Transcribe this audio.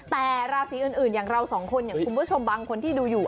แต่ราศีอื่นอย่างเราสองคนอย่างคุณผู้ชมบางคนที่ดูอยู่